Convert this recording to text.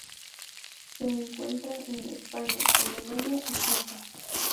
Se encuentra en España, Alemania y Suiza.